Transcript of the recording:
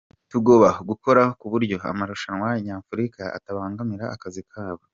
Tugoba gukora kuburyo amarushanwa nyafurika atabangamira akazi kabo".